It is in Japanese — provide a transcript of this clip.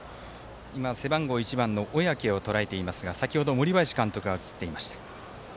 背番号１番の小宅をとらえていますが先ほど森林監督が映っていました。